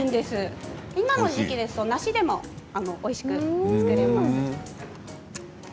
今の時期だと梨でもおいしく作れますよ。